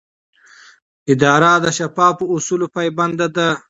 اداره د شفافو اصولو پابنده ده.